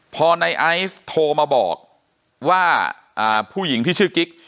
พอในไอซ์โทรมาบอกว่าผู้หญิงที่ชื่อกิ๊ก